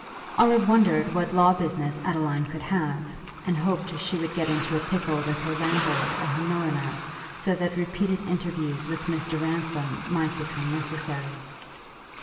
Olive wondered what law business Adeline could have, and hoped she would get into a pickle with her landlord or her milliner, so that repeated interviews with Mr. Ransom might become necessary.